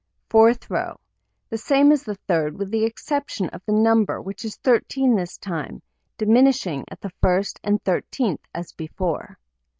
Fourth row: The same as the 3d, with the exception of the number, which is 13 this time, diminishing at the first and thirteenth as before.